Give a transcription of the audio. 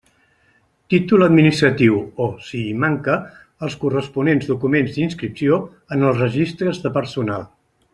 Títol administratiu o, si hi manca, els corresponents documents d'inscripció en els registres de Personal.